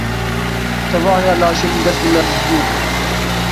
Tevahiya laşê min dest bi lerizînê kir.